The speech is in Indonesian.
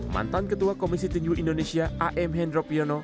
mantan ketua komisi tenju indonesia a m hendropiono